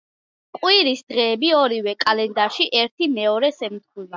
კვირის დღეები ორივე კალენდარში ერთი-მეორეს ემთხვევა.